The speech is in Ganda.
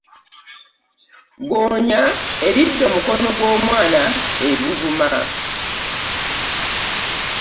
Ggoonya eridde omukono gw'omwana e Buvuma.